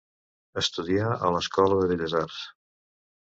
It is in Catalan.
Estudià a l’Escola de Belles Arts.